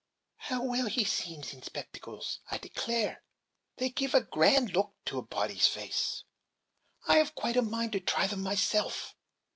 How well he seems in spectacles! I declare, they give a grand look to a body's face. I have quite a great mind to try them myself."